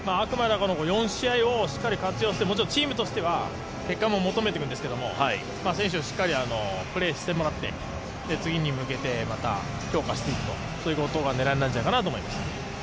４試合をしっかりと活用して、もちろんチームとして結果も求めていくんですけど、選手しっかりプレーしてもらって次に向けてまた強化していくとそういうことが狙いなんじゃないかなと思います。